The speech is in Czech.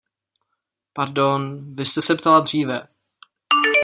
Pardon, vy jste se ptala dříve.